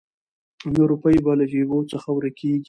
نه روپۍ به له جېبو څخه ورکیږي